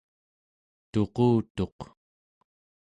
tuqutuq